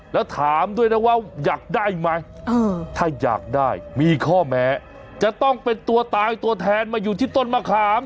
แล้วถามด้วยนะว่าอยากได้ไหมถ้าอยากได้มีข้อแม้จะต้องเป็นตัวตายตัวแทนมาอยู่ที่ต้นมะขาม